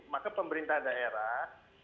maka pemerintah daerah